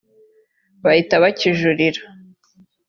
bahita bakijuririra